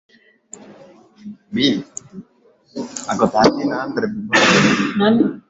maisha ni mambo yaliyoibuka baada ya kifo chake kilichotangazwa siku hiyo jioni